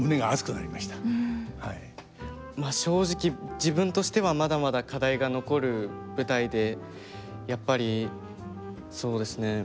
まあ正直自分としてはまだまだ課題が残る舞台でやっぱりそうですね。